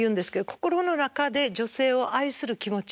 心の中で女性を愛する気持ち。